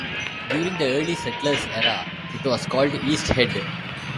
During the early settlers era it was called East Head.